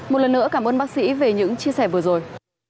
một lần nữa cảm ơn bác sĩ về những chia sẻ vừa rồi